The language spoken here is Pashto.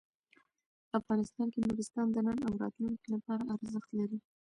افغانستان کې نورستان د نن او راتلونکي لپاره ارزښت لري.